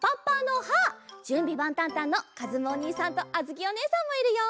「じゅんびばんたんたん！」のかずむおにいさんとあづきおねえさんもいるよ！